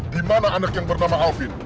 dimana anak yang bernama alvin